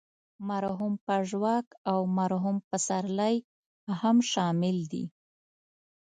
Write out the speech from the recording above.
مرحوم پژواک او مرحوم پسرلی هم شامل دي.